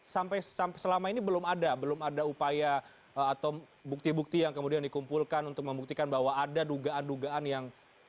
sampai selama ini belum ada belum ada upaya atau bukti bukti yang kemudian dikumpulkan untuk membuktikan bahwa ada dugaan dugaan yang